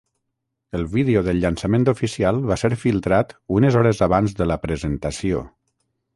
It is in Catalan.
El vídeo del llançament oficial va ser filtrat unes hores abans de la presentació.